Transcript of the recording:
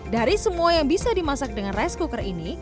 dari semua yang bisa dimasak dengan rice cooker ini